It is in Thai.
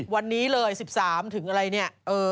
วันนี้เลย๑๓ถึงอะไรเนี่ย